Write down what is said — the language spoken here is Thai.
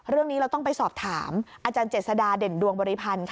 เรื่องนี้เราต้องไปสอบถามอาจารย์เจษฎาเด่นดวงบริพันธ์ค่ะ